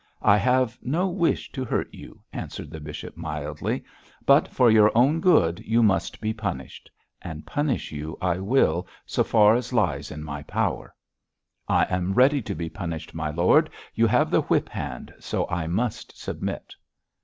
'I have no wish to hurt you,' answered the bishop, mildly; 'but for your own good you must be punished; and punish you I will so far as lies in my power.' 'I am ready to be punished, my lord; you have the whip hand, so I must submit.'